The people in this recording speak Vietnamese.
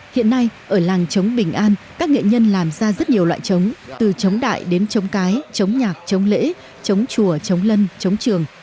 hiện nay ở làng trống bình an các nghệ nhân làm ra rất nhiều loại trống từ trống đại đến trống cái trống nhạc trống lễ trống chùa trống lân trống trường